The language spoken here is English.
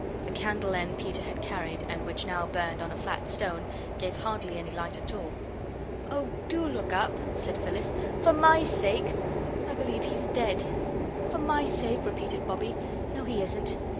The candle end Peter had carried, and which now burned on a flat stone, gave hardly any light at all. "Oh, DO look up," said Phyllis. "For MY sake! I believe he's dead." "For MY sake," repeated Bobbie. "No, he isn't."